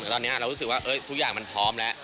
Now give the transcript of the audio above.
ตอนนี้เรารู้สึกว่าทุกอย่างมันพร้อมแล้ว